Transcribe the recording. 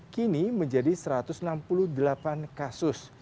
kini menjadi satu ratus enam puluh delapan kasus